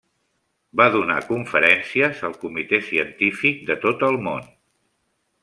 Va donar conferències al comitè científic de tot el món.